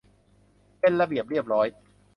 เป็นระเบียบเรียบร้อย